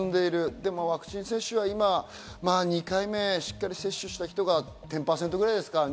でもワクチン接種が今、２回目、しっかり接種した人が１０％ぐらい。